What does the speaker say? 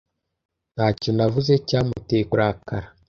Ntacyo navuze, cyamuteye kurakara.